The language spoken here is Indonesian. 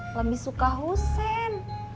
lebih suka husen